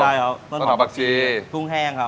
ต้นหอบปักชีต้นหอบปักชีกุ้งแห้งครับ